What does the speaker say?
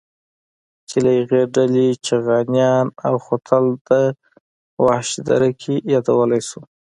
چې له هغې ډلې چغانيان او خوتل د وخش دره کې يادولی شو.